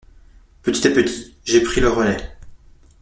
Petit à petit, j’ai pris le relai.